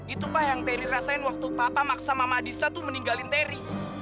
itu pak yang teri rasain waktu papa maksa mama adista tuh meninggalin teri